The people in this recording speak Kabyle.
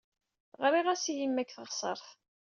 Ɣriɣ-as i yemma seg teɣsert.